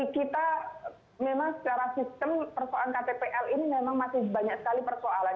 kita memang secara sistem persoalan ktpl ini memang masih banyak sekali persoalan